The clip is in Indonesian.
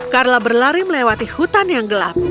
carla berlari melewati hutan yang gelap